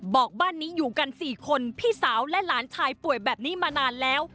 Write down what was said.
บ้านนี้อยู่กัน๔คนพี่สาวและหลานชายป่วยแบบนี้มานานแล้ว